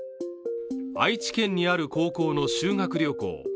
愛知県にある高校の修学旅行。